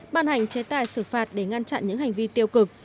ban hành chế tài xử phạt để ngăn chặn những hành vi tiêu cực